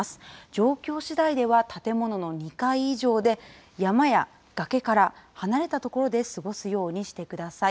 状況次第では、建物の２階以上で、山や崖から離れた所で過ごすようにしてください。